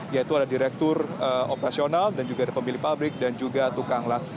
yaitu ada direktur operasional dan juga ada pemilik pabrik dan juga tukang las